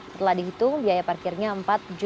setelah dihitung biaya parkirnya rp empat